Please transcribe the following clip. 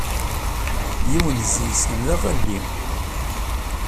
Yiwen seg-sen d aɣalli.